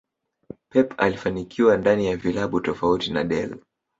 Pep alifanikiwa ndani ya vilabu tofauti na Del